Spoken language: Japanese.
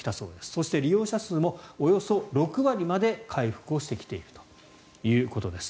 そして利用者数もおよそ６割まで回復をしてきているということです。